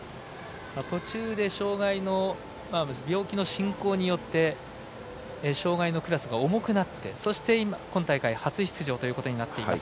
途中で病気の進行によって障がいのクラスが重くなってそして、今大会初出場ということになっています。